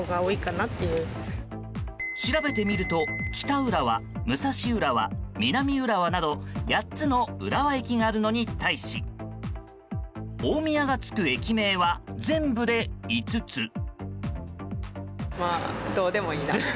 調べてみると北浦和、武蔵浦和、南浦和など８つの浦和駅があるのに対し大宮がつく駅名は全部で５つ。